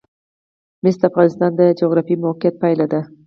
مس د افغانستان د جغرافیایي موقیعت پایله ده.